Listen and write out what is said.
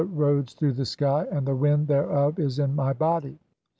"roads through the sky (29), and the wind thereof is in my body.